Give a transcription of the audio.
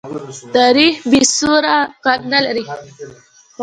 تاریخ بې سرو ږغ نه لري.